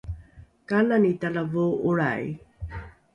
kanani talavoo’olrai?